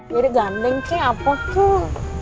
gini ganteng sih apa tuh